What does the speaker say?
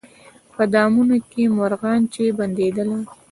په دامونو کي مرغان چي بندېدله